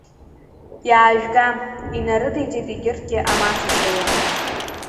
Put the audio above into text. Иаажәга, инарыдиҵеит егьырҭгьы амацашаҩы.